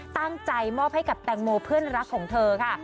ตั้งใจมอบให้กับแตงโมเพื่อนรักของเธอค่ะ